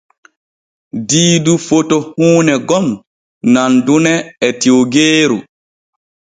Diidu foto huune gon nandune e tiwgeeru.